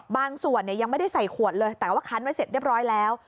บางส่วนยังไม่ได้ใส่ขวดเลยแต่ว่าคันไว้เสร็จเรียบร้อยแล้ว